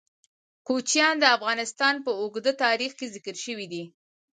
کوچیان د افغانستان په اوږده تاریخ کې ذکر شوی دی.